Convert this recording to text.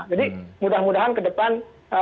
jadi mudah mudahan ke depan